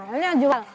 ini yang jual